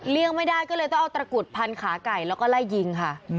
ไม่ได้ก็เลยต้องเอาตระกุดพันขาไก่แล้วก็ไล่ยิงค่ะ